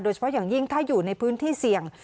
เฉพาะอย่างยิ่งถ้าอยู่ในพื้นที่เสี่ยง